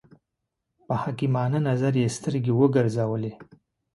په حکیمانه نظر یې سترګې وګرځولې.